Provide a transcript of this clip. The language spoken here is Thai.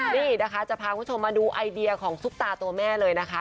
นี่นะคะจะพาคุณผู้ชมมาดูไอเดียของซุปตาตัวแม่เลยนะคะ